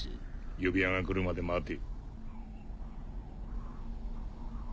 指輪が来るまで待て。